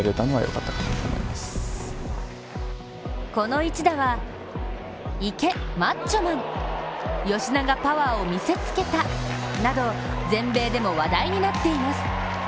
この一打はいけ、マッチョマン吉田がパワーを見せつけたなど全米でも話題になっています。